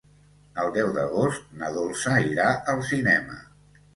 El deu d'agost na Dolça irà al cinema.